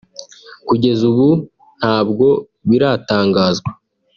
kugeza ubu ntabwo biratangazwa